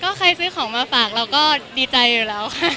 ก็ใครซื้อของมาฝากเราก็ดีใจอยู่แล้วค่ะ